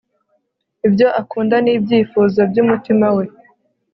ibyo akunda n'ibyifuzo by'umutima we